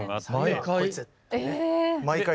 毎回？